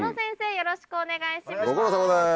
よろしくお願いします。